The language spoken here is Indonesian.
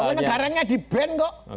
itu negaranya di ban kok